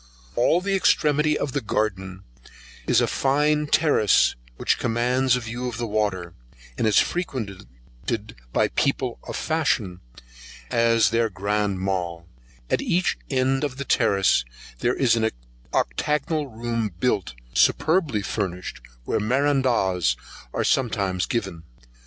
All the extremity of the garden is a fine terrace which commands a view of the water, and is frequented by people of fashion, as their Grand Mall: at each end of the terrace there is an octagonal built room, superbly furnished, where merendas[96 1] are sometimes given.